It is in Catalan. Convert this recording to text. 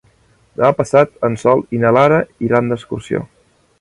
Demà passat en Sol i na Lara iran d'excursió.